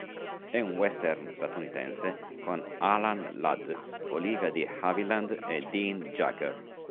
È un western statunitense con Alan Ladd, Olivia de Havilland e Dean Jagger.